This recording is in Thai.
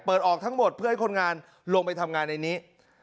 ออกทั้งหมดเพื่อให้คนงานลงไปทำงานในนี้